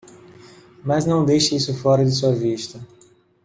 Mas não deixe isso fora de sua vista.